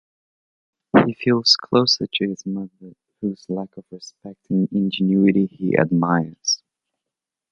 He feels closer to his mother whose lack of respect and ingenuity he admires.